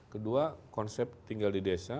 kedua konsep tinggal di desa